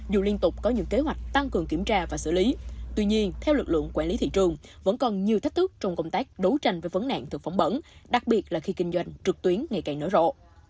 dù liên tục có những kế hoạch tăng cường kiểm tra và xử lý tuy nhiên theo lực lượng quản lý thị trường vẫn còn nhiều thách thức trong công tác đấu tranh với vấn nạn thực phẩm bẩn đặc biệt là khi kinh doanh trực tuyến ngày càng nở rộ